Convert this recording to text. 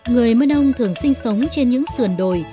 người mân âu thường sinh sống trên những sườn đồi